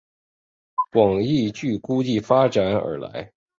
广义矩估计发展而来。